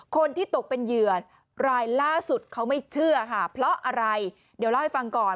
คนที่ตกเป็นเหยื่อรายล่าสุดเขาไม่เชื่อค่ะเพราะอะไรเดี๋ยวเล่าให้ฟังก่อน